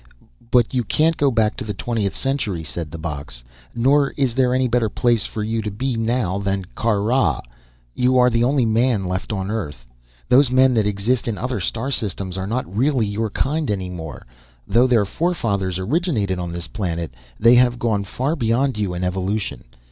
"But you can't go back to the Twentieth Century," said the box. "Nor is there any better place for you to be now, than Kar Rah. You are the only man left on Earth. Those men that exist in other star systems are not really your kind anymore, though their forefathers originated on this planet. They have gone far beyond you in evolution.